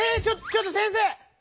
ちょちょっと先生！